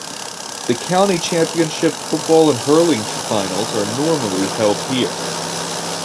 The County Championship football and hurling finals are normally held here.